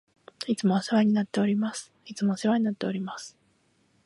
いつもお世話になっております。いつもお世話になっております。